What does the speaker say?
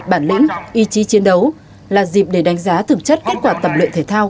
bản lĩnh ý chí chiến đấu là dịp để đánh giá thực chất kết quả tập luyện thể thao